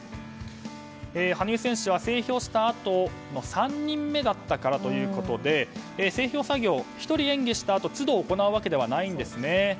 羽生選手は整氷したあと３人目だったからということで整氷作業は１人演技したあと都度行うわけじゃないんですね。